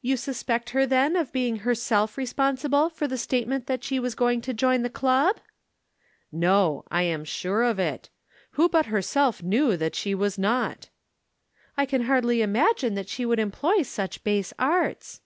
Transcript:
"You suspect her, then, of being herself responsible for the statement that she was going to join the Club?" "No. I am sure of it. Who but herself knew that she was not?" "I can hardly imagine that she would employ such base arts."